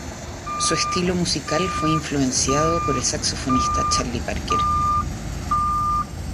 Su estilo musical fue influenciado por el saxofonista Charlie Parker.